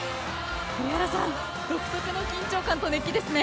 栗原さん独特の緊張感と熱気ですね。